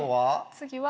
次は。